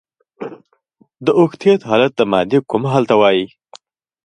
د اوکتیت حالت د مادې کوم حال ته وايي؟